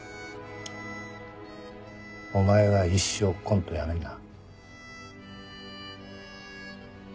お前は一生コントやめんな。